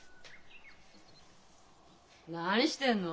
何してんの？